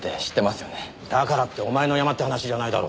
だからってお前のヤマって話じゃないだろう。